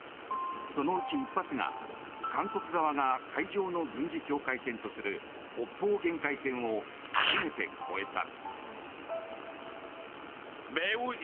そのうち１発が韓国側が海上の軍事境界線とする北方限界線を初めて越えた。